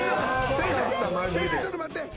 先生先生ちょっと待って。